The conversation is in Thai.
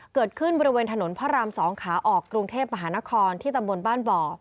เกิดขึ้นบริเวณถนนพระราม๒ขาออกกรุงเทพมหานครที่ตำบลบ้านบ่อ